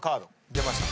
出ました。